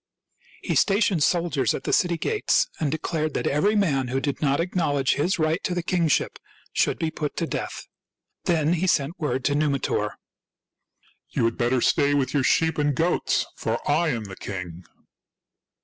He stationed soldiers at the city gates, and declared that eveiy man who did not acknowledge his right to the kingship should be put to death. Then he sent word to Numitor: —" You had better stay with your sheep and goats, for I am the king